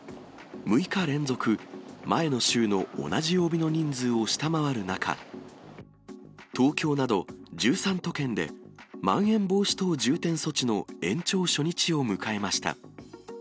６日連続、前の週の同じ曜日の人数を下回る中、東京など１３都県でまん延防止等重点措置の延長初日を迎えました。